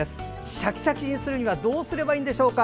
シャキシャキにするにはどうすればいいんでしょうか。